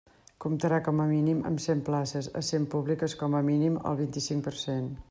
Comptarà com a mínim amb cent places, essent públiques com a mínim el vint-i-cinc per cent.